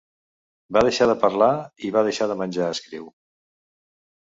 Va deixar de parlar i va deixar de menjar, escriu.